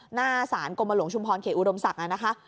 หน้าสารกลมลงชุมพรเขอุรมศักดิ์